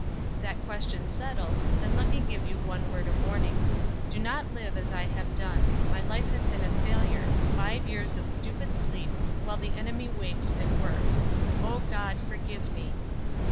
"That question settled, then let me give you one word of warning. Do not live as I have done my life has been a failure five years of stupid sleep, while the enemy waked and worked. Oh, God, forgive me!